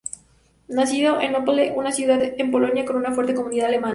Nacido en Opole una ciudad en Polonia con una fuerte comunidad alemana.